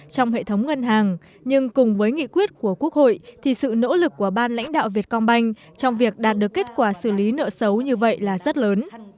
trong hệ thống ngân hàng nhưng cùng với nghị quyết của quốc hội thì sự nỗ lực của ban lãnh đạo việt công banh trong việc đạt được kết quả xử lý nợ xấu như vậy là rất lớn